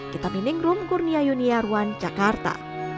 kita mending room kurnia yuniarwan jakarta